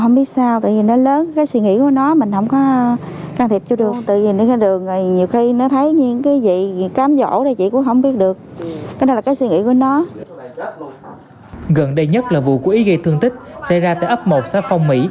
gần đây nhất là vụ cố ý gây thương tích xảy ra tại ấp một xã phong mỹ